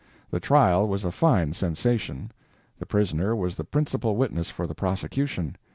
The trial was a fine sensation. The prisoner was the principal witness for the prosecution.